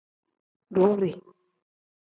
Duuri.